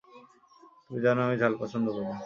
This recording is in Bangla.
তুমি জানো আমি ঝাল পছন্দ করি।